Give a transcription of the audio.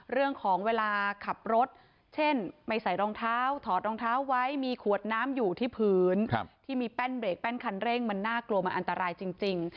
เรื่องของเวลาขับรถเช่นไม่ใส่รองเท้าถอดรองเท้าไว้มีขวดน้ำอยู่ที่พื้นที่มีแป้นเรกแป้นคันเร่งมันน่ากลัวมันอันตรายจริง